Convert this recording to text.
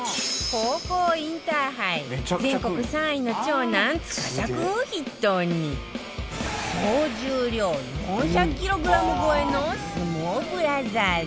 高校インターハイ全国３位の長男司君を筆頭に総重量４００キログラム超えの相撲ブラザーズ